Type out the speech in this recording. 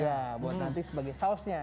ya buat nanti sebagai sausnya